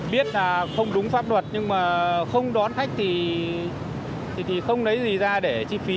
biết là không đúng pháp luật nhưng mà không đón khách thì không lấy gì ra để chi phí